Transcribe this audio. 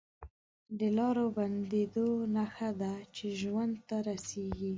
د لارو بندېدو نښه ده چې ژوند ته رسېږي